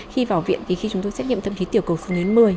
khi vào viện thì khi chúng tôi xét nghiệm thậm chí tiểu cầu xứng đến một mươi